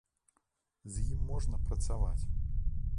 З ім можна працаваць.